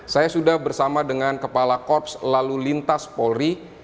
saya sudah bersama dengan kepala korps lalu lintas polri